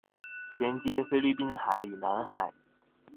銜接菲律賓海與南海